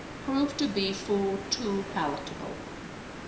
proved to be food too palatable.